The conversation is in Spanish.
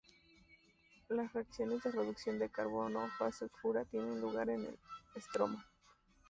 Las reacciones de reducción de carbono o fase oscura tienen lugar en el estroma.